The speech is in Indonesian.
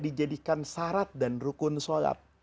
dijadikan syarat dan rukun sholat